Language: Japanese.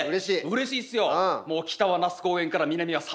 うれしいっすよ。